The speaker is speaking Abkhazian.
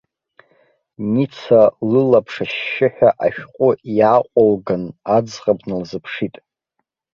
Ница лылаԥш ашьшьыҳәа ашәҟәы иааҟәылган, аӡӷаб дналзыԥшит.